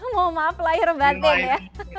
mohon maaf lahir batin ya